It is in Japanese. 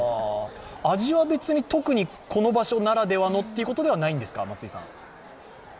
味は別にこの場所ならではのということではないんですか？